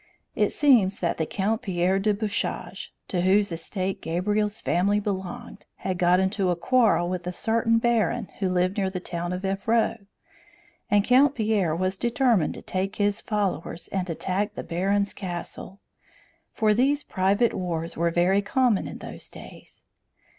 It seems that the Count Pierre de Bouchage, to whose estate Gabriel's family belonged, had got into a quarrel with a certain baron who lived near the town of Evreux, and Count Pierre was determined to take his followers and attack the baron's castle; for these private wars were very common in those days.